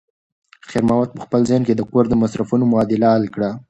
خیر محمد په خپل ذهن کې د کور د مصرفونو معادله حل کړه.